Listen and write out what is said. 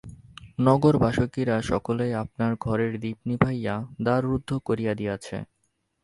নগরবাসজ্ঞীরা সকলেই আপনার ঘরের দীপ নিবাইয়া দ্বার রুদ্ধ করিয়া দিয়াছে।